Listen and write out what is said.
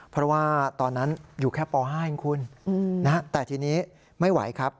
เพราะว่าตอนนั้นอยู่แค่ป๕เองคุณแต่ทีนี้ไม่ไหวครับ